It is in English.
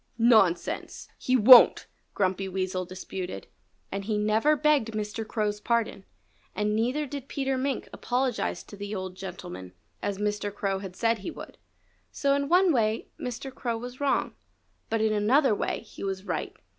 "Nonsense! He won't!" Grumpy Weasel disputed. And he never begged Mr. Crow's pardon. And neither did Peter Mink apologize to the old gentleman, as Mr. Crow had said he would. So in one way Mr. Crow was wrong. But in another way he was right.